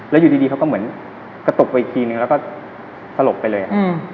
แล้วอยู่ดีเขาก็เหมือนกระตุกไปอีกทีนึงแล้วก็สลบไปเลย